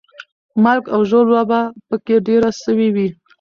مرګ او ژوبله به پکې ډېره سوې وي.